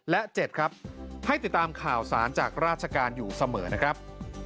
และ๗ครับให้ติดตามข่าวสารจากราชการอยู่เสมอนะครับ